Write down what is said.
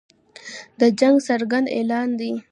د جنګ څرګند اعلان دی.